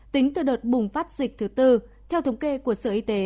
tính từ đợt bùng phát dịch thứ tư theo thống kê của sở y tế